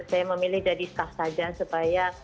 saya memilih jadi staff saja supaya